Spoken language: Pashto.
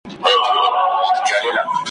تر قدم دي سر فدا دئ، په دې لاره ګوندي را سې